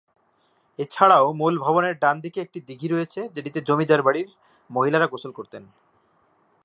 এছাড়াও মূল ভবনের ডান দিকে একটি দিঘী রয়েছে, যেটিতে জমিদার বাড়ির মহিলারা গোসল করতেন।